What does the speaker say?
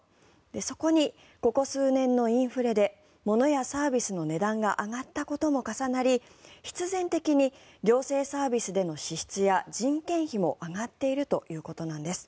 そこに、ここ数年のインフレで物やサービスの値段が上がったことも重なり必然的に行政サービスでの支出や人件費も上がっているということです。